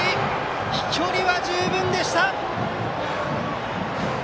飛距離は十分でした！